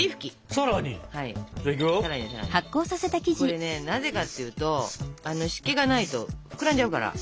これねなぜかっていうと湿気がないと膨らんじゃうから。